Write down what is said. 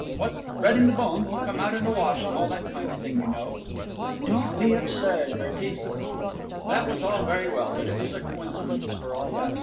What's bred in the bone will come out in the wash, and all that kind of thing, you know.' 'Don't be absurd, Bertie.' That was all very well, but it was a coincidence for all that.